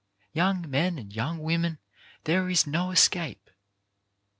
Young men and young women, there is no escape.